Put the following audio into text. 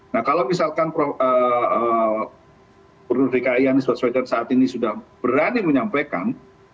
nah kalau misalkan perlu dki anies baswedan saat ini sudah berani menyampaikan